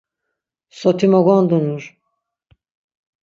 Soti mo gondunur!